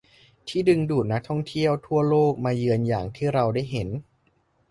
ที่ดึงดูดนักท่องเที่ยวทั่วโลกมาเยือนอย่างที่เราได้เห็น